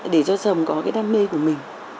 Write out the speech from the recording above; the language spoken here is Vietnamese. để cho chồng có cái đam mê của mình